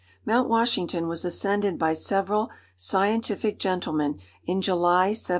Mount Washington was ascended by several scientific gentlemen in July, 1784.